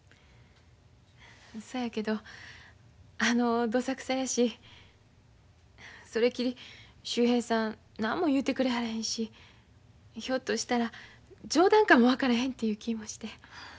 そやけどあのどさくさやしそれきり秀平さん何も言うてくれはらへんしひょっとしたら冗談かも分からへんという気もして。